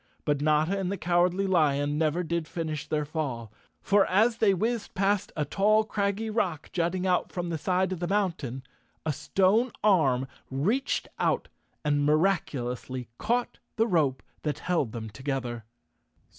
But Notta and the Cowardly Lion never did finish their fall—for as they whizzed past a tall, craggy rock, jutting out from the side of a mountain, a stone arm reached out and miraculously caught the rope that held them together.